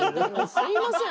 すいません。